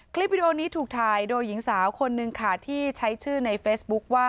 วิดีโอนี้ถูกถ่ายโดยหญิงสาวคนนึงค่ะที่ใช้ชื่อในเฟซบุ๊คว่า